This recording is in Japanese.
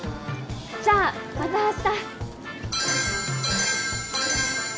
じゃあまた明日！